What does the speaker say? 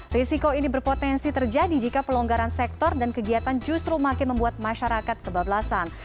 risiko ini berpotensi terjadi jika pelonggaran sektor dan kegiatan justru makin membuat masyarakat kebablasan